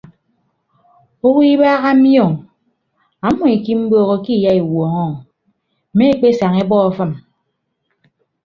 Owo ibaha mi o ọmmọ ikiimboho ke iyaiwuọñọ o mme ekpesaña ebọ afịm.